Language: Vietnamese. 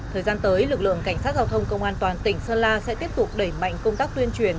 thời gian tới lực lượng cảnh sát giao thông công an toàn tỉnh sơn la sẽ tiếp tục đẩy mạnh công tác tuyên truyền